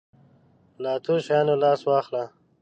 له اتو شیانو لاس واخله.